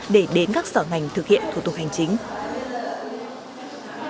để đến các sở ngành thực hiện thủ tục hành chính